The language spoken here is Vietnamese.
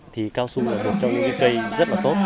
thì casu là một trong những cây rất là tốt